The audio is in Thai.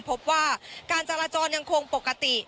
พบว่าการจราจรยังคงปกติ